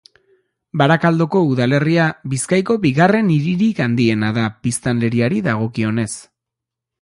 Barakaldoko udalerria Bizkaiko bigarren hiririk handiena da, biztanleriari dagokionez.